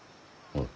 うん。